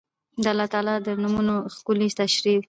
دا د الله تعالی د نومونو ښکلي شرح ده